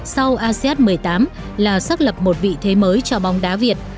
sau asean một mươi tám là xác lập một vị thế mới cho bóng đá việt